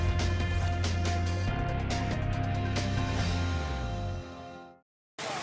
pembatasan kegiatan masyarakat